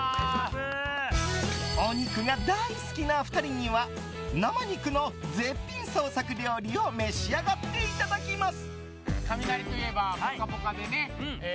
お肉が大好きな２人には生肉の絶品創作料理を召し上がっていただきます。